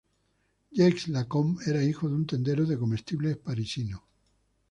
Jacques Lacombe era hijo de un tendero de comestibles parisino.